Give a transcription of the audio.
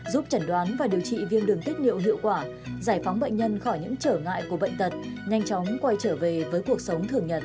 giúp chẩn đoán và điều trị viêm đường tiết niệu hiệu quả giải phóng bệnh nhân khỏi những trở ngại của bệnh tật nhanh chóng quay trở về với cuộc sống thường nhật